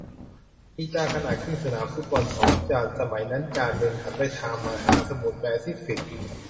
มีจานขนาดครึ่งสนามฟุตบอล สอง จาน สมัยนั้นจานหนึ่งหันไปทางมหาสมุทรแปซิฟิก